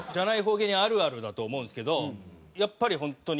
芸人あるあるだと思うんですけどやっぱり本当に。